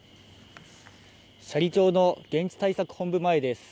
斜里町の現地対策本部前です。